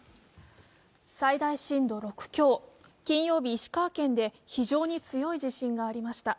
最大震度６強、金曜日、石川県で非常に強い地震がありました。